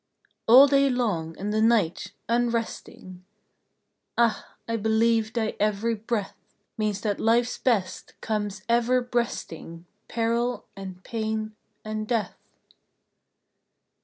All day long, and the night, unresting! Ah! I believe thy every breath Means that life's best comes ever breasting Peril and pain and death!